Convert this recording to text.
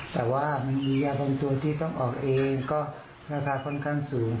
แต่ว่ามันมียาบางตัวที่ต้องออกเองก็ราคาค่อนข้างสูง